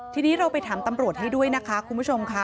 ทีนี้เราไปถามตำรวจให้ด้วยนะคะคุณผู้ชมค่ะ